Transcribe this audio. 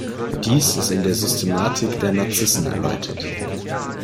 Dies ist in der Systematik der Narzissen erläutert.